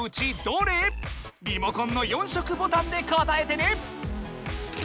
リモコンの４色ボタンで答えてね！